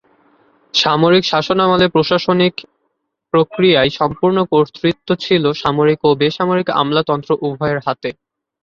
সামরিক শাসনামলে প্রশাসনিক প্রক্রিয়ায় সম্পূর্ণ কর্তৃত্ব ছিল সামরিক ও বেসামরিক আমলাতন্ত্র উভয়ের হাতে।